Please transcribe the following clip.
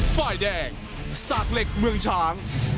ฝ่ายแดงสากเหล็กเมืองช้าง